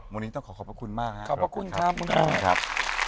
วันนี้ต้องขอขอบพระคุณมากครับ